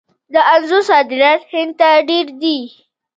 د انځرو صادرات هند ته ډیر دي.